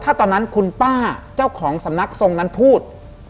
ถ้าตอนนั้นคุณป้าเจ้าของสำนักทรงนั้นพูด